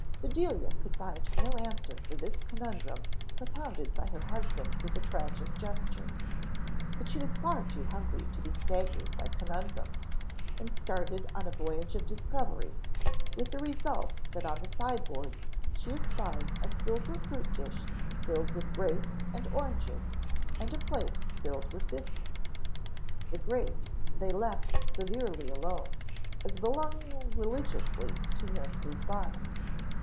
Bedelia could find no answer for this conundrum propounded by her husband with a tragic gesture. But she was far too hungry to be staggered by conundrums and started on a voyage of discovery, with the result that on the sideboard she espied a silver fruit dish filled with grapes and oranges and a plate filled with biscuits. The grapes they left severely alone as belonging religiously to nurse's bonnet.